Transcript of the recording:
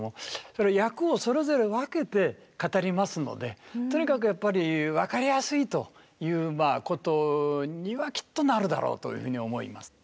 役をそれぞれ分けて語りますのでとにかくやっぱり分かりやすいということにはきっとなるだろうというふうに思います。